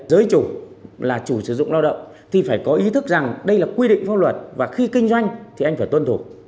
giới chủ là chủ sử dụng lao động thì phải có ý thức rằng đây là quy định pháp luật và khi kinh doanh thì anh phải tuân thủ